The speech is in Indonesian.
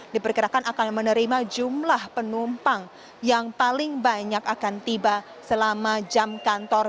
diperkirakan akan menerima jumlah penumpang yang paling banyak akan tiba selama jam kantor